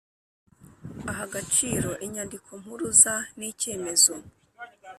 aha agaciro inyandikompuruza ni cyemezo